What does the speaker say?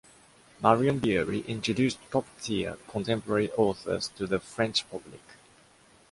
Marion Bierry introduced top-tier contemporary authors to the French public.